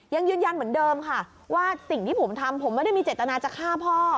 ยังยืนยันเหมือนเดิมค่ะว่าสิ่งที่ผมทำผมไม่ได้มีเจตนาจะฆ่าพ่อ